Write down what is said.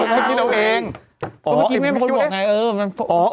ให้คิดเอาเองเพราะเมื่อกี้แม่บ้านบอกไง